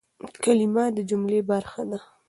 کلیمه د جملې برخه ده.